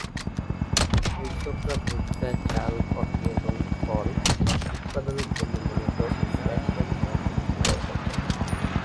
কৃষকরা ভুট্টা, চাল, কফি এবং ফল উৎপাদনের জন্য মূলতঃ স্ল্যাশ-এন্ড-বার্ন পদ্ধতি ব্যবহার করে।